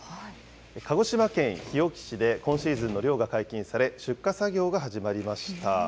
鹿児島県日置市で、今シーズンの漁が解禁され、出荷作業が始まりました。